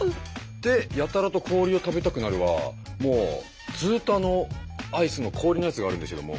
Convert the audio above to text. で「やたらと氷を食べたくなる」はもうずっとアイスの氷のやつがあるんですけども。